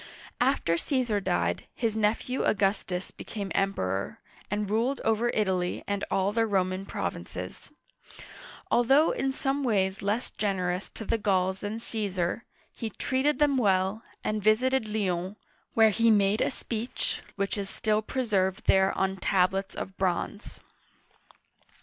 After Caesar died, his nephew Augustus became Em peror, and ruled over Italy and all the Roman provinces. Although in some ways less generous to the Gauls than Caesar, he treated them well, and visited Lyons, where he uigitizea Dy vjiOOQlC 34 OLD FRANCE iriade a speech which is stiirpreserved there on tablets of bronze.